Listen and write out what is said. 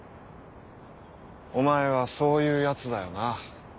お前はそういうヤツだよな。